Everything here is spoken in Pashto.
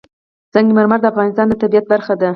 سنگ مرمر د افغانستان د طبیعت برخه ده.